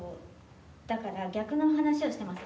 「だから逆の話をしてます